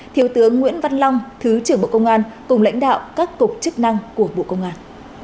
thiếu tướng nguyễn văn long thứ trưởng bộ công an cùng lãnh đạo các cục chức năng của bộ công an